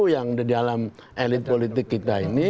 yang di dalam elit politik kita ini